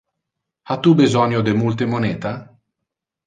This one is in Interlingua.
Ha tu besonio de multe moneta?